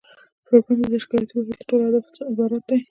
پروګرام د تشکیلاتي واحد له ټولو اهدافو عبارت دی.